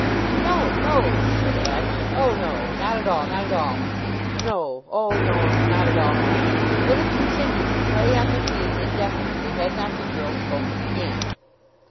"No, no!" said Ashe. "Oh, no; not at all not at all! No. Oh, no not at all no!" And would have continued to play on the theme indefinitely had not the girl spoken again.